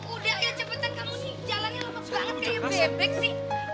udah ya cepetan kamu nih jalannya lemak banget kayak bebek sih